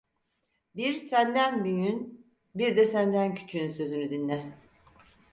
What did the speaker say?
Bir senden büyüğün, bir de senden küçüğün sözünü dinle.